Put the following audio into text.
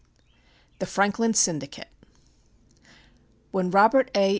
V The Franklin Syndicate When Robert A.